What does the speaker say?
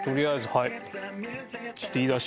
はい。